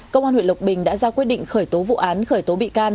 công an huyện lộc bình đã ra quyết định khởi tố vụ án khởi tố bị can